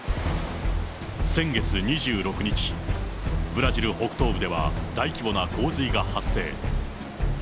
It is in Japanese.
先月２６日、ブラジル北東部では、大規模な洪水が発生。